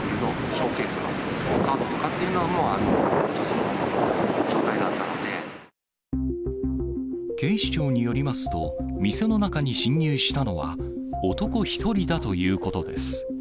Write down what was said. ショーケースのカードとかっていうのは、そのままの状態だったの警視庁によりますと、店の中に侵入したのは、男１人だということです。